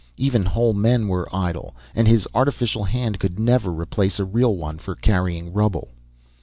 Even whole men were idle, and his artificial hand could never replace a real one for carrying rubble.